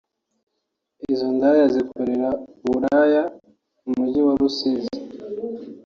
Izo ndaya zikorera uburaya mu Mujyi wa Rusizi